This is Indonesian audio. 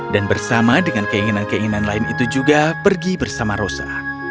dan bersama dengan keinginan keinginan lain itu juga pergi bersama rosa